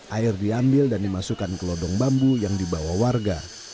air diambil dan dimasukkan ke lodong bambu yang dibawa warga